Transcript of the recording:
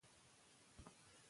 شاهانو یې غم نه دی کړی.